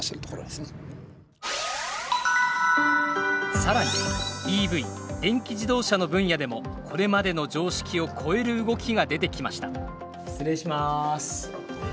更にＥＶ電気自動車の分野でもこれまでの常識を超える動きが出てきました失礼します。